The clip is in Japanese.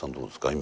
今。